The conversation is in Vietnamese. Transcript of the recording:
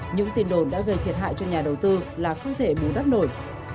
những tin đồn đã gây thiệt hại cho nhà đầu tư là không thể bú đắt nổi